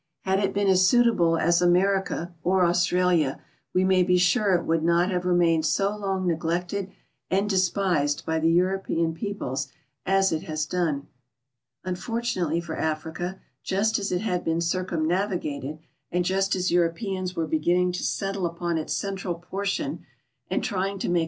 Had it been as suitable as America or Australia, we may be sure it would not have remained so long neglected and despise.l by tbe European peoples as it has done. Unfortunately for Africa", just as it had been circumnavigated, and just tis Europeans were lie ginning to settle upon its central portion and trying to make tb.